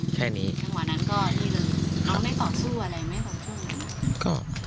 จังหวะนั้นก็นี่เลยน้องไม่ขอสู้อะไรไหม